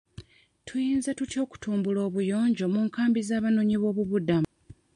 Tuyinza tutya okutumbula obuyonjo mu nkambi z'abanoonyi b'obubuddamu?